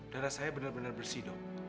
darah saya benar benar bersih dong